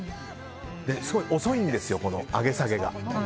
すごい遅いんですよ、上げ下げが。